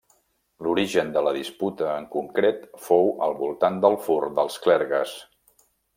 L'origen de la disputa en concret fou al voltant del fur dels clergues.